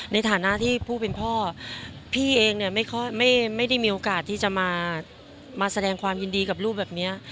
ในฐานะที่ผู้เป็นพ่อพี่เองเนี่ยไม่ได้มีโอกาสที่จะมาแสดงความยินดีกับลูกแบบนี้